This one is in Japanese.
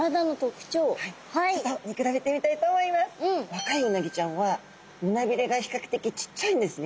若いうなぎちゃんは胸びれが比較的ちっちゃいんですね。